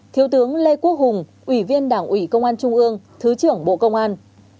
thiếu tướng lê quốc hùng ủy viên đảng ủy công an trung ương thứ trưởng bộ công an